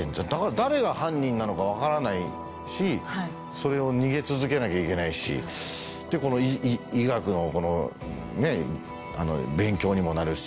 誰が犯人なのか分からないしそれを逃げ続けなきゃいけないしこの医学の勉強にもなるし。